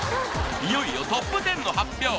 いよいよトップ１０の発表